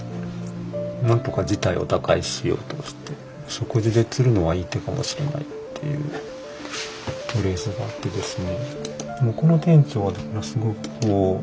「食事で釣るのは、いい手かもしれない」っていうフレーズがあってですね。